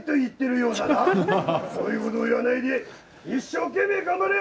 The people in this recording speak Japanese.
そういうことを言わないで一生懸命頑張れよ。